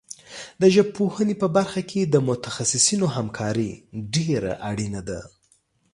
د ژبپوهنې په برخه کې د متخصصینو همکاري ډېره اړینه ده.